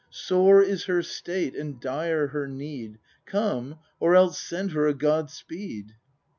Sore is her state and dire her need; Come, or else send her a God speed!